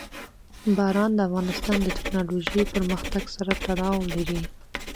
باران د افغانستان د تکنالوژۍ پرمختګ سره تړاو لري.